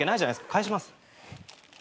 返します。